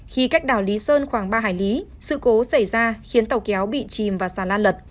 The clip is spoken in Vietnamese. khi cách đảo lý sơn khoảng ba hải lý sự cố xảy ra khiến tàu kéo bị chìm và xà lan lật